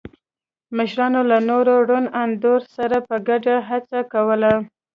مشرانو له نورو روڼ اندو سره په ګډه هڅه کوله.